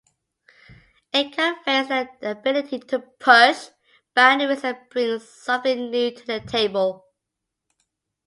It conveys their ability to push boundaries and bring something new to the table.